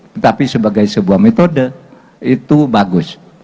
tetapi sebagai sebuah metode itu bagus